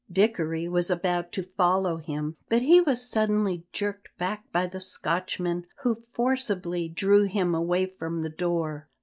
Dickory was about to follow him, but he was suddenly jerked back by the Scotchman, who forcibly drew him away from the door.